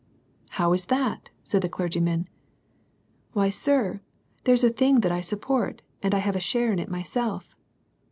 — "How is that?" said the clergyman. —" Why sir, it*s a thing that I sup port, and I have a share in it myself."